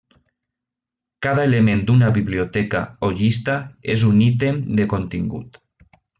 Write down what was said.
Cada element d'una biblioteca o llista és un ítem de contingut.